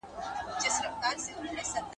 څوک د سیلانیانو د امنیت او هوسایني مسوولیت لري؟